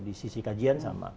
di sisi kajian sama